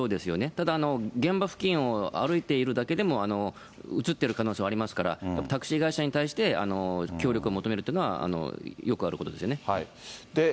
ただ現場付近を歩いているだけでも、写ってる可能性はありますから、タクシー会社に対して、協力を求めるというのはよくあることですね。